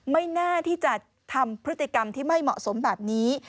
ไม่น่าที่จะทำพฤติกรรมที่ไม่เหมาะสมแบบนี้